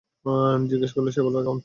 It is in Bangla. জিজ্ঞেস করলে সে বলবে একাউন্ট।